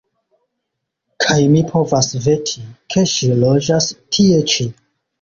Kaj mi povas veti, ke ŝi loĝas tie ĉi!